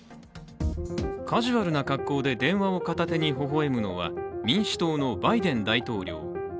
カジュアルな格好で電話を片手にほほ笑むのは民主党のバイデン大統領。